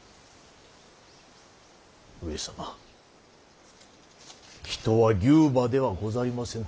上様人は牛馬ではございませぬ。